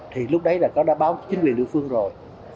thì lúc đấy là đã báo chính quyền lựa phương rồi